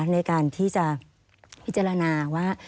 ในการที่จะพิจารณาว่า